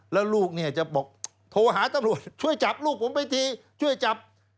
แล้วลูกเนี่ยจะบอกโทรหาตำรวจช่วยจับลูกผมไปทีช่วยจับ